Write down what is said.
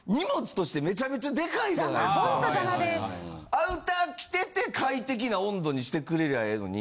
アウター着てて快適な温度にしてくれりゃええのに。